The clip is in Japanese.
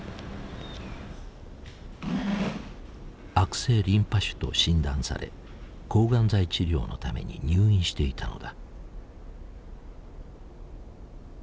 悪性リンパ腫と診断され抗がん剤治療のために入院していたのだ。